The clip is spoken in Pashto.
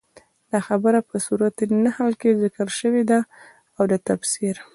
دا خبره په سورت نحل کي ذکر شوي ده، او د تفسير